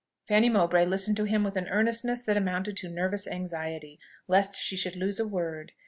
Fanny Mowbray listened to him with an earnestness that amounted to nervous anxiety, lest she should lose a word.